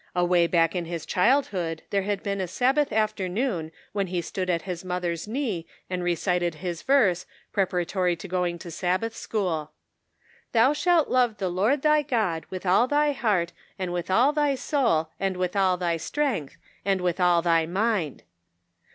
Away back in his childhood there had been a Sabbath afternoon when he stood at his mother's knee and recited his verse, preparatory to going to Sabbath school : "They Are Not Wise." 175 "Thou shalt love the Lord th}' God with all thy heart, and with all thy soul, and with all thy strength, and with all thy mind."